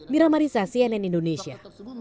miramarisa cnn indonesia